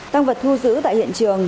tăng vật thu giữ tại hiện trường